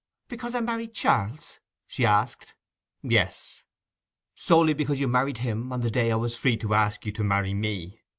'Because I married Charles?' she asked. 'Yes; solely because you married him on the day I was free to ask you to marry me.